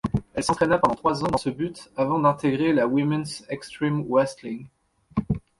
Elle s'entraina pendant trois ans dans ce but avant d'intégrer la Women's Extreme Wrestling.